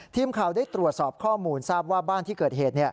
ทีมข่าวได้ตรวจสอบข้อมูลทราบว่าบ้านที่เกิดเหตุ